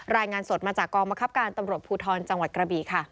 รายงานสดมาจากกองบังคับการตำรวจภูทรจังหวัดกระบีค่ะ